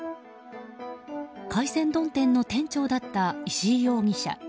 海鮮丼店の店長だった石井容疑者。